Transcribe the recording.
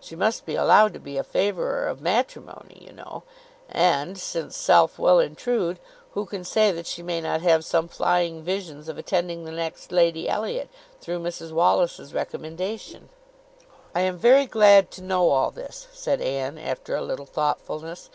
She must be allowed to be a favourer of matrimony, you know; and (since self will intrude) who can say that she may not have some flying visions of attending the next Lady Elliot, through Mrs Wallis's recommendation?" "I am very glad to know all this," said Anne, after a little thoughtfulness.